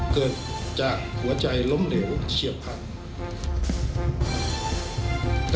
เกิดจากหัวใจล้มเหลวเฉียบพันธุ์